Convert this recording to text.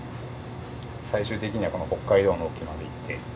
最終的にはこの北海道の沖まで行って。